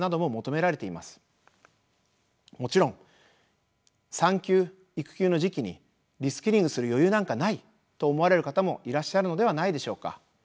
もちろん産休・育休の時期にリスキリングする余裕なんかないと思われる方もいらっしゃるのではないでしょうか。